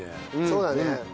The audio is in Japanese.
そうだね。